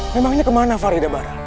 memangnya ke mana farida barat